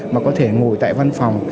mà có thể ngồi tại văn phòng